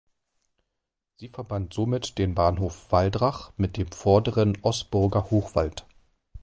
Sie verband somit den Bahnhof Waldrach mit dem vorderen Osburger Hochwald.